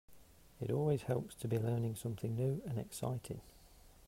It always helps to be learning something new and exciting.